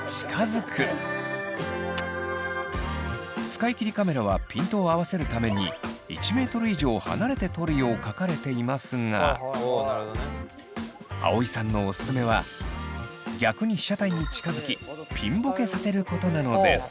使い切りカメラはピントを合わせるために１ｍ以上離れて撮るよう書かれていますが葵さんのオススメは逆に被写体に近づきピンボケさせることなのです。